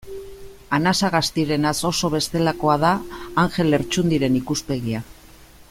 Anasagastirenaz oso bestelakoa da Anjel Lertxundiren ikuspegia.